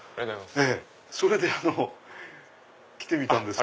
それで来てみたんです。